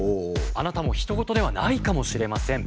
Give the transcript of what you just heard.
あなたもひと事ではないかもしれません。